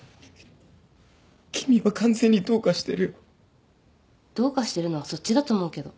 君は完全にどうかしてるよ。どうかしてるのはそっちだと思うけど。